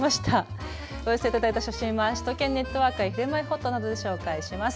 お寄せいただいた写真は首都圏ネットワークやひるまえほっとなどで紹介します。